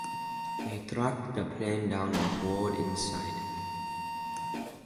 They tracked the plane down and board inside.